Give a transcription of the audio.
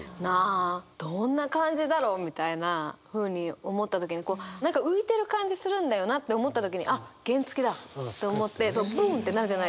どんな感じだろうみたいなふうに思った時に何か浮いてる感じするんだよなって思った時にあっ原付だと思ってブンってなるじゃないですか。